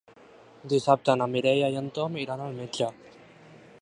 Dissabte na Mireia i en Tom iran al metge.